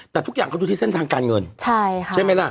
แต่ทุกอย่างเขาดูที่เส้นทางการเงินใช่ค่ะใช่ไหมล่ะ